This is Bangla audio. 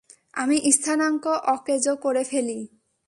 আমি স্থানাঙ্ক অকেজো করে ফেলি।